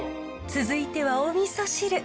続いてはおみそ汁。